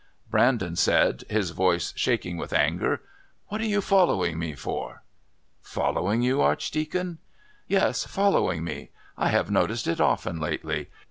Brandon said, his voice shaking with anger: "What are you following me for?" "Following you, Archdeacon?" "Yes, following me. I have noticed it often lately.